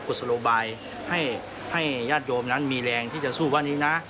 ศโลบายให้ญาติโยมนั้นมีแรงที่จะสู้ว่านี้นะ